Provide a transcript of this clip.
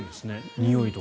においとか。